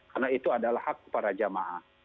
karena itu adalah hak para jemaah